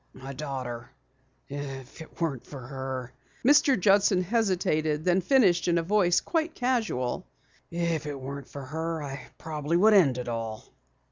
"My daughter. If it weren't for her " Mr. Judson hesitated, then finished in a voice quite casual: "If it weren't for her, I probably would end it all."